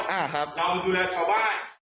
เราก็ดูแลชาวบ้าน